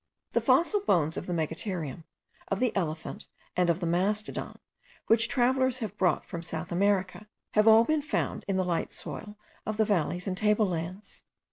The fossil bones of the megatherium, of the elephant, and of the mastodon, which travellers have brought from South America, have all been found in the light soil of the valleys and table lands.